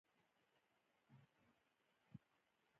غزني د افغانستان د اقتصادي منابعو ارزښت خورا ډیر زیاتوي.